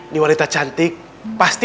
di wanita cantik pasti